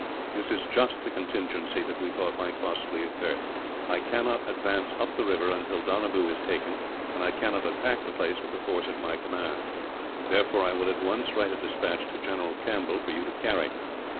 This is just the contingency that we thought might possibly occur. I cannot advance up the river until Donabew is taken, and I cannot attack the place with the force at my command. Therefore I will at once write a despatch to General Campbell, for you to carry.